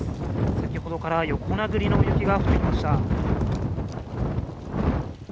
先ほどから横殴りの雪が降ってきました。